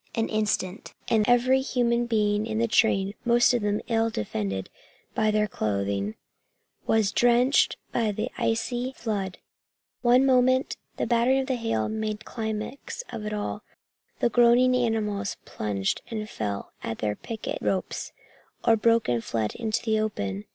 An instant and every human being in the train, most of them ill defended by their clothing, was drenched by the icy flood. One moment and the battering of hail made climax of it all. The groaning animals plunged and fell at their picket ropes, or broke and fled into the open.